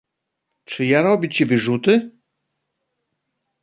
"Czy ja robię ci wyrzuty?..."